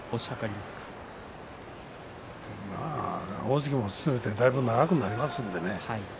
まあ大関も務めてだいぶ長くなりますからね。